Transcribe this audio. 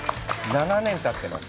７年たってます。